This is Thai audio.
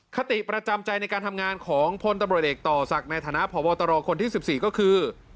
คติประจำใจในการทำงานของพลตำรวจเอกต่อศักดิ์ในฐานะพบตรคนที่๑๔ก็คือ